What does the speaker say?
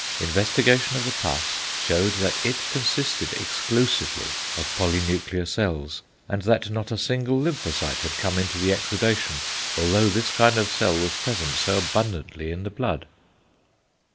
Investigation of the pus shewed that it consisted exclusively of polynuclear cells, and that not a single lymphocyte had come into the exudation, although this kind of cell was present so abundantly in the blood.